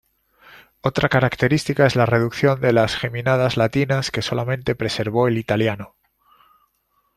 Otra característica es la reducción de las geminadas latinas, que solamente preservó el italiano.